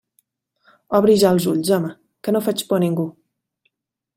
Obri ja els ulls, home, que no faig por a ningú!